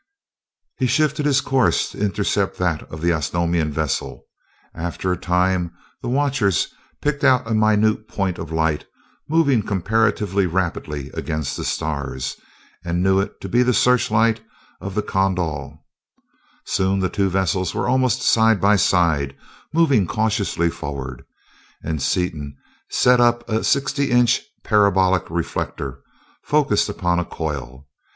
He shifted his course to intercept that of the Osnomian vessel. After a time the watchers picked out a minute point of light, moving comparatively rapidly against the stars, and knew it to be the searchlight of the Kondal. Soon the two vessels were almost side by side, moving cautiously forward, and Seaton set up a sixty inch parabolic reflector, focused upon a coil.